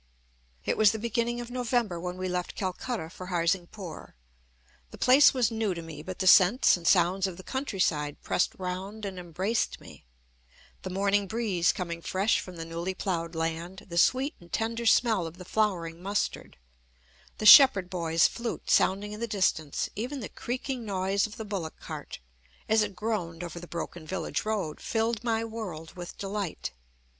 It was the beginning of November when we left Calcutta for Harsingpur. The place was new to me, but the scents and sounds of the countryside pressed round and embraced me. The morning breeze coming fresh from the newly ploughed land, the sweet and tender smell of the flowering mustard, the shepherd boy's flute sounding in the distance, even the creaking noise of the bullock cart, as it groaned over the broken village road, filled my world with delight.